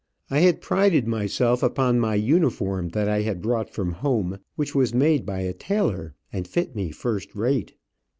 I had prided myself upon my uniform that I brought from home, which was made by a tailor, and fit me first rate.